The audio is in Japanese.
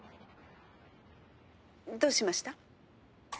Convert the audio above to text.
「どうしました？」。